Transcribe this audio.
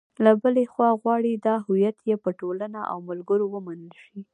له بلې خوا غواړي دا هویت یې په ټولنه او ملګرو ومنل شي.